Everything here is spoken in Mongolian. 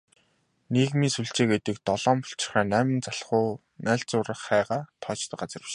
Нийгмийн сүлжээ гэдэг долоон булчирхай, найман найлзуурхайгаа тоочдог газар биш ээ.